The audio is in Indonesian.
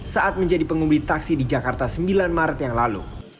saat menjadi pengumudi taksi di jakarta sembilan maret yang lalu